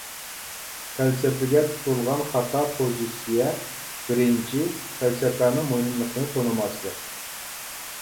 پەلسەپىگە تۇتۇلغان خاتا پوزىتسىيە بىرىنچى، پەلسەپىنىڭ مۇھىملىقىنى تونۇماسلىق.